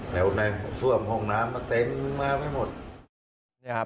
แล้วมันเสริมห้องน้ำเต็มมาไม่หมด